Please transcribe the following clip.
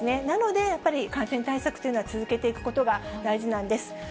なので、やっぱり、感染対策というのは続けていくことが大事なんです。